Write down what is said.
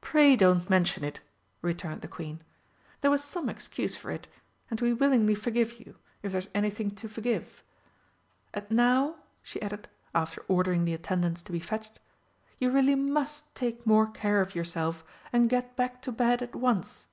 "Pray don't mention it!" returned the Queen. "There was some excuse for it, and we willingly forgive you, if there's anything to forgive. And now," she added, after ordering the attendants to be fetched, "you really must take more care of yourself and get back to bed at once."